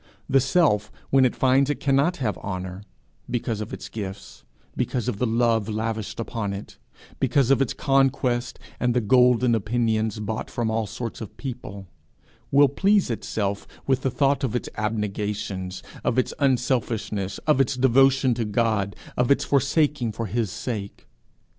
The Self, when it finds it cannot have honour because of its gifts, because of the love lavished upon it, because of its conquests, and the 'golden opinions bought from all sorts of people,' will please itself with the thought of its abnegations, of its unselfishness, of its devotion to God, of its forsakings for his sake.